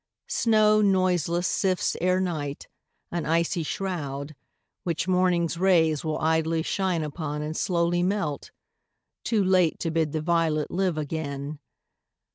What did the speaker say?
Snow noiseless sifts Ere night, an icy shroud, which morning's rays Willidly shine upon and slowly melt, Too late to bid the violet live again.